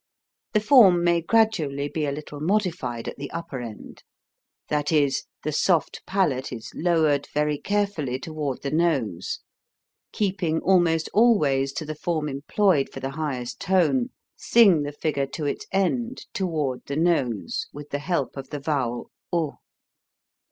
The form may gradually be a little modified at the upper end; that is, the soft palate is lowered very carefully toward the nose : keeping almost always to the form employed for the highest tone, sing the figure to its end, toward the nose, with the help of the vowel oo.